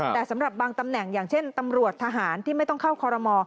แต่สำหรับบางตำแหน่งอย่างเช่นตำรวจทหารที่ไม่ต้องเข้าคอรมอ